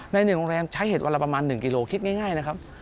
ใน๑โรงแรมใช้เห็ดวันละประมาณ๑กิโลคิดง่ายนะครับ